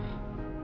ibu sudah tidur